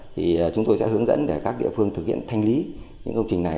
thì chúng tôi sẽ hướng dẫn để các địa phương thực hiện thanh lý những công trình này